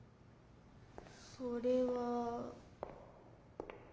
それは。